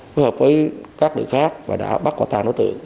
phối hợp với các đường khác và đã bắt quả tàn đối tượng